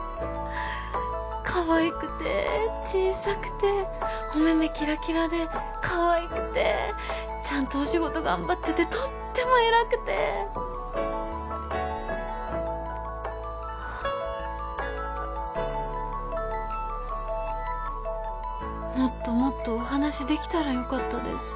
かわいくて小さくてお目々キラキラでかわいくてちゃんとお仕事頑張っててとっても偉くてはぁもっともっとお話できたらよかったです